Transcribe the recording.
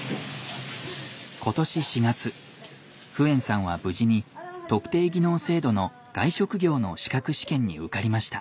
今年４月フエンさんは無事に特定技能制度の外食業の資格試験に受かりました。